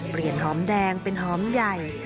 เปลี่ยนหอมแดงเป็นหอมใหญ่